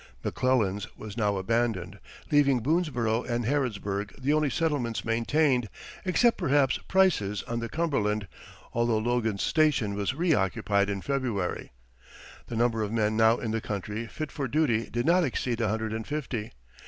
McClellan's was now abandoned, leaving Boonesborough and Harrodsburg the only settlements maintained except, perhaps, Price's, on the Cumberland, although Logan's Station was reoccupied in February. The number of men now in the country fit for duty did not exceed a hundred and fifty.